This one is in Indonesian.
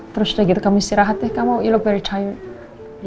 terus udah gitu kamu istirahat deh kamu you look very tired